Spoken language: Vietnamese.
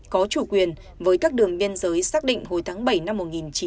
có chủ quyền với các đường biên giới xác định hồi tháng bảy năm một nghìn chín trăm bảy mươi